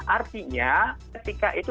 artinya ketika itu